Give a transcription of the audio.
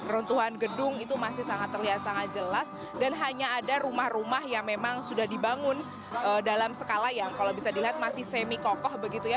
runtuhan gedung itu masih sangat terlihat sangat jelas dan hanya ada rumah rumah yang memang sudah dibangun dalam skala yang kalau bisa dilihat masih semi kokoh begitu ya